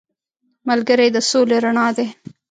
ملګری د سولې رڼا دی